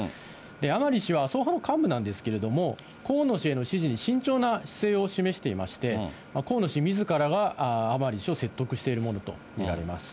甘利氏は、麻生派の幹部なんですけれども、河野氏への支持に慎重な姿勢を示していまして、河野氏みずからが甘利氏を説得しているものと見られます。